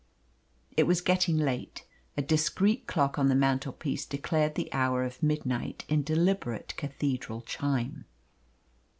It was getting late. A discreet clock on the mantelpiece declared the hour of midnight in deliberate cathedral chime.